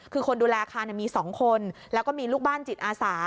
คือคนดูแลอาคารมี๒คนแล้วก็มีลูกบ้านจิตอาสา